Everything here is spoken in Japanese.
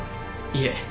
いえ。